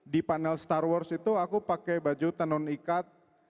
di panel star wars itu aku pakai baju tenun ikat